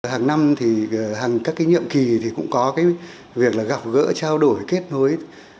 hàng năm thì hàng các cái nhiệm kỳ thì cũng có cái việc là gặp gỡ trao đổi kết nối